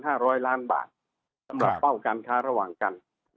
สำหรับเป้าการค้าระหว่างกัน